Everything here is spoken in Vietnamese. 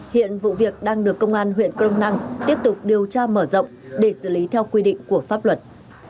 hiện vụ việc đang được công an huyện crong năng tiếp tục điều tra mở rộng để xử lý theo quy định của pháp luật